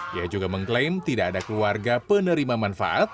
dia juga mengklaim tidak ada keluarga penerima manfaat